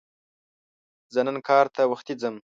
زه نن کار ته وختي ځم